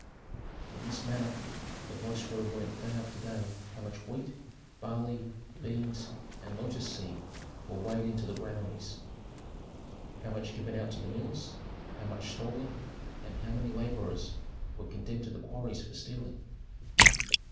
In this manner the viceroy learned day after day how much wheat, barley, beans, and lotus seed were weighed into the granaries, how much given out to the mills, how much stolen, and how many laborers were condemned to the quarries for stealing.